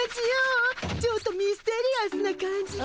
ちょっとミステリアスな感じで。